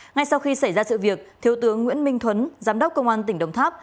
ngay sau khi xảy ra sự việc thiếu tướng nguyễn minh thuấn giám đốc công an tỉnh đồng tháp